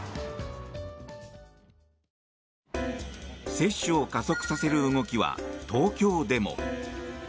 接種を加速させる動きは東京でも。